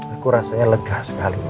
aku rasanya lega sekali